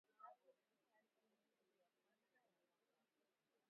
tatu katika nusu ya kwanza ya mwaka huu